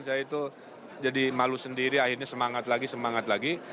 saya itu jadi malu sendiri akhirnya semangat lagi semangat lagi